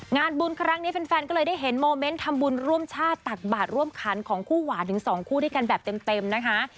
งานบุญครั้งนี้แฟนก็เลยได้เห็นโมเมนต์ทำบุญร่วมชาติตักบาทร่วมขันของคู่หวานถึงสองคู่ด้วยกันแบบเต็มนะคะ